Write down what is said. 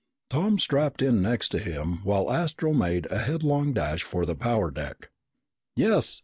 Tom strapped in next to him, while Astro made a headlong dash for the power deck. "Yes!"